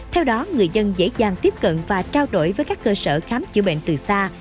theo đó người dân dễ dàng tiếp cận và trao đổi với các cơ sở khám chữa bệnh từ xa